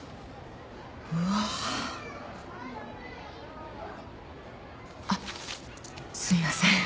うわ。あっすみません。